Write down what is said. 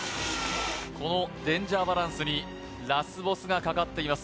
このデンジャーバランスにラスボスがかかっています